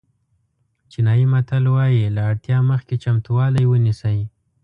چینایي متل وایي له اړتیا مخکې چمتووالی ونیسئ.